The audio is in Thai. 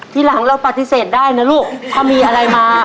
ทีหลังเราปฏิเสธได้นะลูกถ้ามีอะไรมา